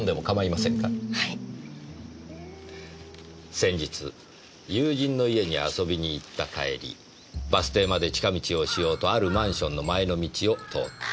「先日友人の家に遊びに行った帰りバス停まで近道をしようとあるマンションの前の道を通った」